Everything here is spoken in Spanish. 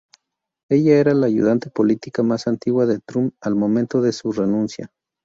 Ella era la ayudante política más antigua de Trump al momento de su renuncia.